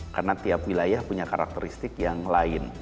karena tiap wilayah punya karakteristik yang lain